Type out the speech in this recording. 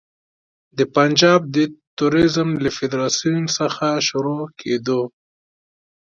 د پنجاب د توریزم له فدراسیون څخه شروع کېدو.